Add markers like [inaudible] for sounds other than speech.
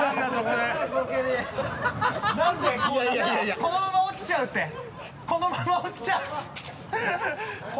このまま落ちちゃうってこのまま落ちちゃう [laughs]